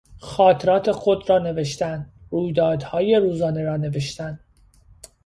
خاطرات خود را نوشتن، رویدادهای روزانه را نوشتن